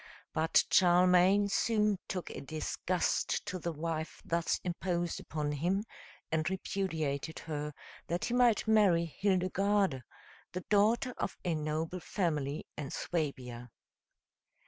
But Charlemagne soon took a disgust to the wife thus imposed upon him, and repudiated her, that he might marry Hildegarde, the daughter of a noble family in Suabia.